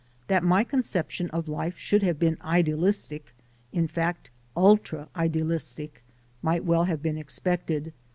That my conception of life should have been idealistic, in fact ultra idealistic, might well have been expected.